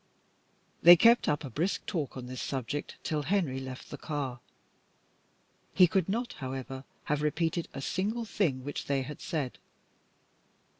They kept up a brisk talk on this subject till Henry left the car. He could not, however, have repeated a single thing which they had said.